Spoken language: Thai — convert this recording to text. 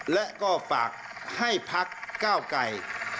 และก็ฝากให้พักก้าวไกร